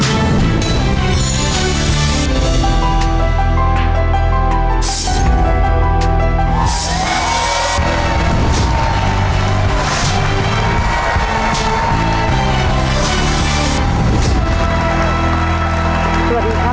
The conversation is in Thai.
สวัสดีครับ